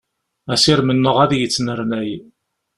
Asirem-nneɣ ad yettnernay.